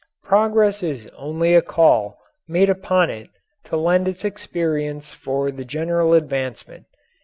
Progress is only a call made upon it to lend its experience for the general advancement.